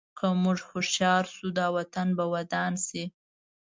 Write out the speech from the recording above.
که موږ هوښیار شو، دا وطن به ودان شي.